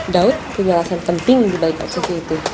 daud punya alasan penting di baik obsesi itu